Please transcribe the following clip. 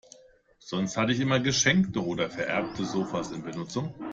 Sonst hatte ich immer geschenkte oder vererbte Sofas in Benutzung.